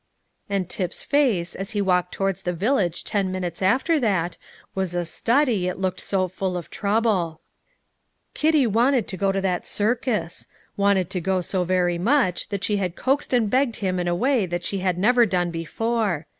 And Tip's face, as he walked towards the village ten minutes after that, was a study, it looked so full of trouble. Kitty wanted to go to that circus, wanted to go so very much that she had coaxed and begged him in a way that she had never done before.